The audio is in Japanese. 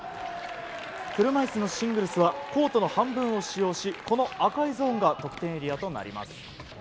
車いすのシングルスはコートの半分を使用しこの赤いゾーンが得点エリアとなります。